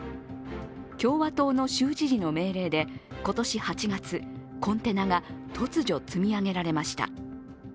共和党の州知事の命令で今年８月、コンテナが突如、積み上げられました。